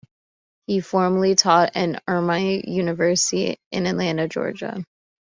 He formerly taught at Emory University in Atlanta, Georgia.